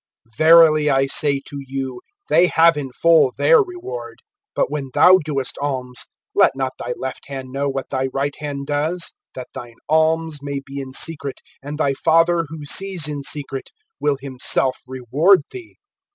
Verily I say to you, they have in full their reward. (3)But when thou doest alms, let not thy left hand know what thy right hand does; (4)that thine aims may be in secret and thy Father who sees in secret will himself reward thee.